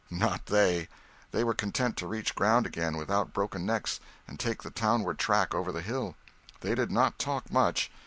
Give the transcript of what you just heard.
Not they. They were content to reach ground again without broken necks, and take the townward track over the hill. They did not talk much.